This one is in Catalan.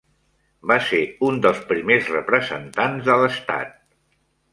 Va ser un dels primers representants de l'estat.